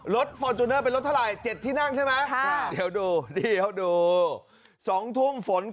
รถฟอร์จูเนอร์เป็นรถทะลาย๗ที่นั่งใช่ไหม